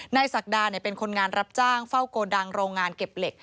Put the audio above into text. ศักดาเป็นคนงานรับจ้างเฝ้าโกดังโรงงานเก็บเหล็ก